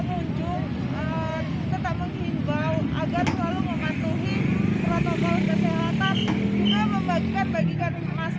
agar selalu memantuhi protokol kesehatan